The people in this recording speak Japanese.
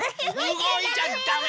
うごいちゃだめ！